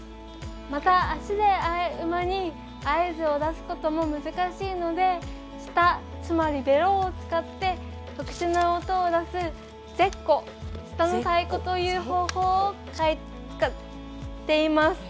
また、足で馬に合図を出すことも難しいので、舌つまりベロを使って特殊な音を出す、ゼッコ舌の太鼓という方法を使っています。